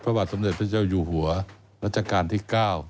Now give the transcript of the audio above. บาทสมเด็จพระเจ้าอยู่หัวรัชกาลที่๙